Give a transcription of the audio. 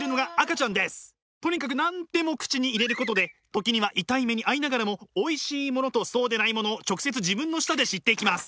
とにかく何でも口に入れることで時には痛い目に遭いながらもおいしいものとそうでないものを直接自分の舌で知っていきます。